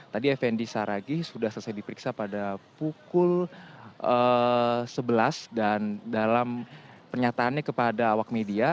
tadi effendi saragih sudah selesai diperiksa pada pukul sebelas dan dalam pernyataannya kepada awak media